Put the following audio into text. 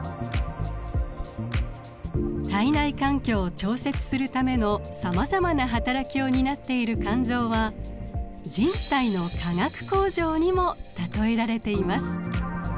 体内環境を調節するためのさまざまなはたらきを担っている肝臓は「人体の化学工場」にも例えられています。